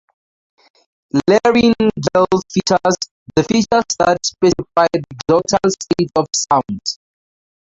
Laryngeal features: The features that specify the glottal states of sounds.